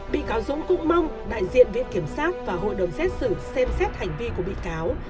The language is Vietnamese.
bị cáo dũng cũng mong đại diện viện kiểm sát và hội đồng xét xử xem xét hành vi của bị cáo